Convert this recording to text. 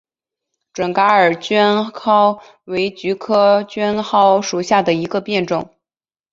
准噶尔绢蒿为菊科绢蒿属下的一个变种。